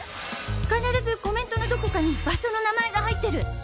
必ずコメントのどこかに場所の名前が入ってる！